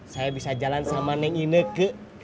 saya bisa jalan sama neng ineke